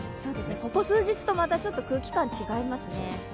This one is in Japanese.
ここ数日とまた空気感違いますね。